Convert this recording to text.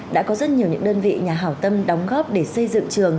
đã có rất nhiều những đơn vị nhà hảo tâm đóng góp để xây dựng trường